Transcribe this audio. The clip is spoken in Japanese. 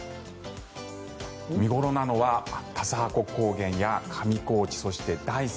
見頃なのは田沢湖高原や上高地そして大山